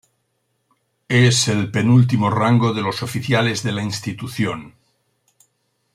Es el penúltimo rango de los oficiales de la institución.